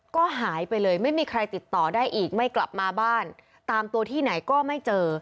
ก็หายไปเลยไม่มีใครติดต่อได้อีกไม่กลับมาบ้านตามตัวที่ไหนก็ไม่เจอ